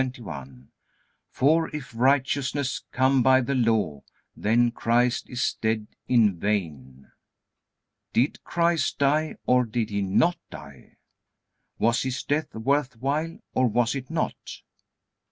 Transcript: For if righteousness come by the law, then Christ is dead in vain. Did Christ die, or did He not die? Was His death worth while, or was it not?